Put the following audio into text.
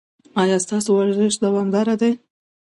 ایا ستاسو ورزش دوامدار دی؟